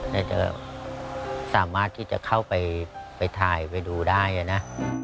น่าจะสามารถที่จะเข้าไปถ่ายไปดูได้นะ